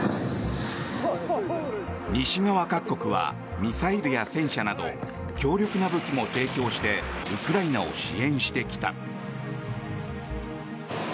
西側各国はミサイルや戦車など強力な武器も提供してウクライナを支援してきた。